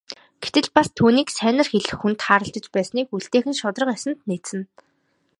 Гэтэл бас түүнийг сайнаар хэлэх хүн тааралдаж байсныг үлдээх нь шударга ёсонд нийцнэ.